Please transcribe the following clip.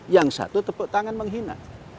yang satu tepuk tangan menghina